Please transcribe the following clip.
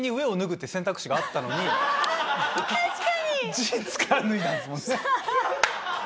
ジーンズから脱いだんですもんね。